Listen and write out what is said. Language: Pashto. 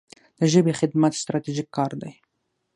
د ژبې خدمت ستراتیژیک کار دی.